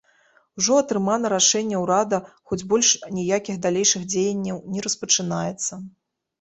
Ужо атрымана рашэнне ўрада, хоць больш ніякіх далейшых дзеянняў не распачынаецца.